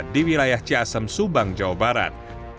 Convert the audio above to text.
di wilayah ciasem subang jawa barat